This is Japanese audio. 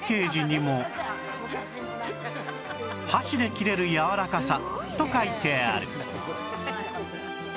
「箸で切れるやわらかさ」と書いてある